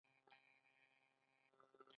ایا په کورنۍ کې مو څوک د زړه ناروغي لري؟